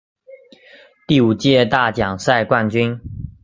第五届大奖赛冠军。